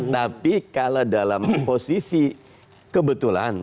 tapi kalau dalam posisi kebetulan